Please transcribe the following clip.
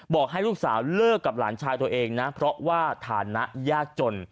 บอกให้ลูกสาวเลิกกับหลานชายตัวเองนะเพราะว่าฐานะยากจน